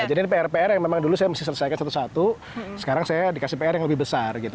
jadi ini pr pr yang memang dulu saya masih selesaikan satu satu sekarang saya dikasih pr yang lebih besar gitu